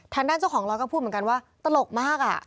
ทางด้านเจ้าของร้านก็พูดเหมือนกันว่าตลกมาก